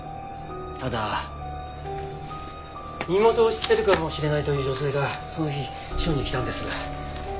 ただ身元を知ってるかもしれないという女性がその日署に来たんです。